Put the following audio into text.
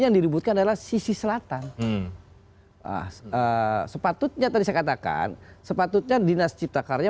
yang di ributkan adalah sisi selatan sepatutnya tadi saya katakan sepatutnya dinas ciptakarya